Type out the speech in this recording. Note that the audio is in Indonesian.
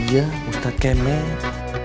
iya ustadz kemet